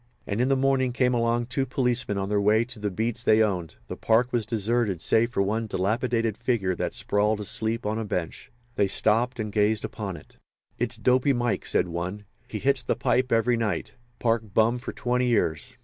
And in the morning came along two policemen on their way to the beats they owned. The park was deserted save for one dilapidated figure that sprawled, asleep, on a bench. They stopped and gazed upon it. "It's Dopy Mike," said one. "He hits the pipe every night. Park bum for twenty years.